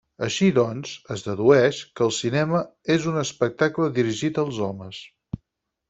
Així doncs, es dedueix, que el cinema és un espectacle dirigit als homes.